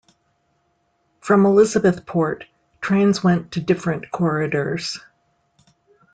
From Elizabethport, trains went to different corridors.